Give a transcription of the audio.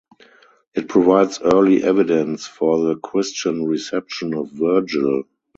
It provides early evidence for the Christian reception of Virgil.